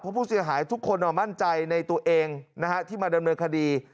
เพราะผู้เสียหายทุกคนมั่นใจในตัวเองที่มาดำเนินคดี